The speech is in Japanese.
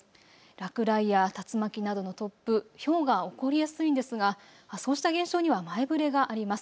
落雷や竜巻などの突風、ひょうが起こりやすいんですが、そうした現象には前触れがあります。